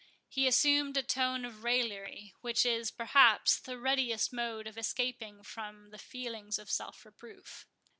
He assumed a tone of raillery, which is, perhaps, the readiest mode of escaping from the feelings of self reproof.